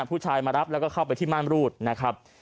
ผู้ชายมารับแล้วก็เข้าไปที่ม่านรูดนะครับ